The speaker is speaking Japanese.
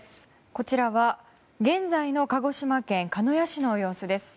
こちらは現在の鹿児島県鹿屋市の様子です。